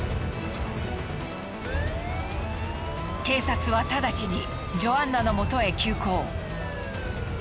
警察はただちにジョアンナのもとへ急行。